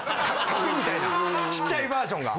核みたいなちっちゃいバージョンが。